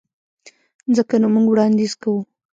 ځکه نو موږ وړانديز کوو.